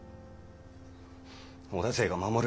織田勢が守る